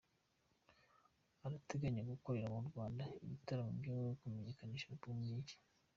Arateganya gukorera mu Rwanda ibitaramo byo kumenyekanisha album ye nshya.